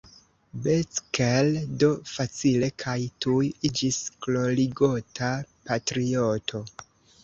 Becker do facile kaj tuj iĝis glorigota patrioto.